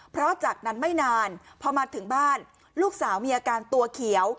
เพราะจากนั้นไม่นานพอมาถึงบ้านลูกสาวมีอาการตัวเขียว